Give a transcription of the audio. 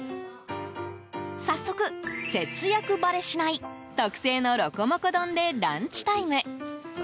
早速、節約ばれしない特製のロコモコ丼でランチタイム。